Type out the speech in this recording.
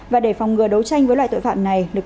và để phòng ngừa đấu tranh với loại tội phạm này